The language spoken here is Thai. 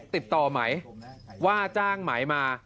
ติดต่อไหมว่าจ้างไหมมา